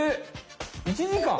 １時間？